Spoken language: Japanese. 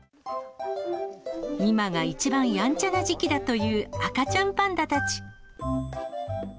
今が一番やんちゃな時期だという赤ちゃんパンダたち。